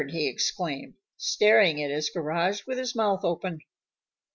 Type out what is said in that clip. he exclaimed, staring at his garage with his mouth open.